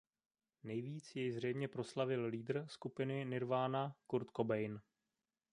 Nejvíc jej zřejmě proslavil leader skupiny Nirvana Kurt Cobain.